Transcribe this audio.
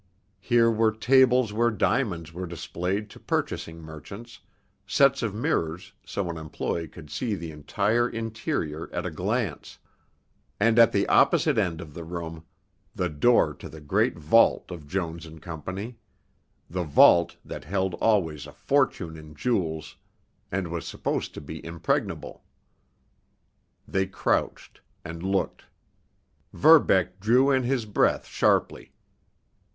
Here were tables where diamonds were displayed to purchasing merchants, sets of mirrors so an employee could see the entire interior at a glance, and, at the opposite end of the room, the door to the great vault of Jones & Co.—the vault that held always a fortune in jewels and was supposed to be impregnable. They crouched—and looked. Verbeck drew in his breath sharply.